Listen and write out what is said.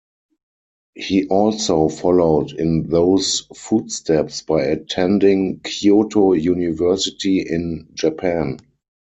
He also followed in those footsteps by attending Kyoto University in Japan.